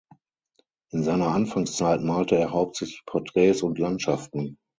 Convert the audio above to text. In seiner Anfangszeit malte er hauptsächlich Porträts und Landschaften.